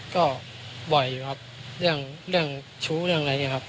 ก็บ่อยอยู่ครับเรื่องชู้เรื่องอะไรอย่างนี้ครับ